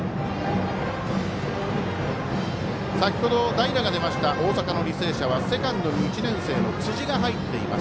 先ほど代打が出ました大阪の履正社はセカンドに１年生の辻が入っています。